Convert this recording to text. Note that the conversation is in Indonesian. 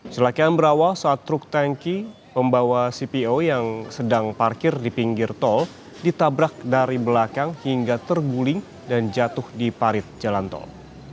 celakaan berawal saat truk tanki pembawa cpo yang sedang parkir di pinggir tol ditabrak dari belakang hingga terguling dan jatuh di parit jalan tol